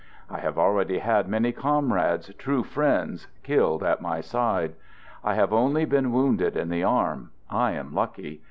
I have already had many comrades, true friends, killed at my side. I have only been wounded in the arm. I am lucky.